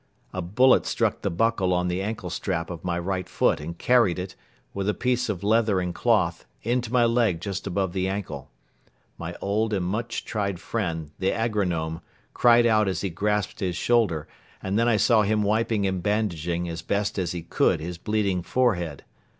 A bullet struck the buckle on the ankle strap of my right foot and carried it, with a piece of leather and cloth, into my leg just above the ankle. My old and much tried friend, the agronome, cried out as he grasped his shoulder and then I saw him wiping and bandaging as best as he could his bleeding forehead.